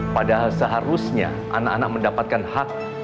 padahal seharusnya anak anak mendapatkan hak